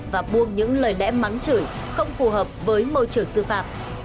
và buông những lời lẽ mắng chửi không phù hợp với môi trường sư phạm